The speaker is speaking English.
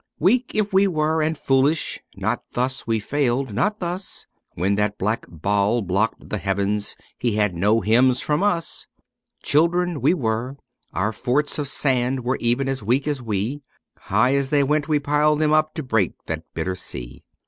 Weak if we were and foolish, not thus we failed, not thus ; When that black Baal blocked the heavens he had no hymns from us. Children we were — our forts of sand were even as weak as we, High as they went we piled them up to break that bitter sea.